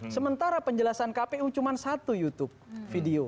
sementara penjelasan kpu cuma satu youtube video